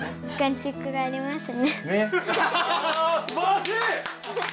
すばらしい！